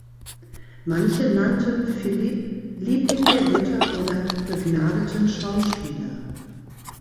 Manche nannten Philipe „Liebling der Götter“ oder „begnadeten Schauspieler“.